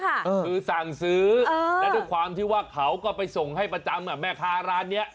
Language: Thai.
คือสั่งซื้อและด้วยความที่ว่าเขาก็ไปส่งให้ประจำแม่ค้าร้านนี้